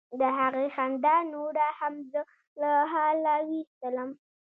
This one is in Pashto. د هغې خندا نوره هم زه له حاله ویستلم.